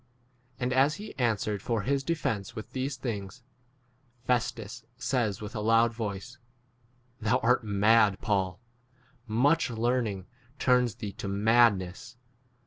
24 And as he answered for his de fence with these things, Festus says with a loud voice, Thou art mad, Paul; much learning turns 25 thee to madness.